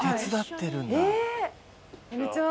こんにちは。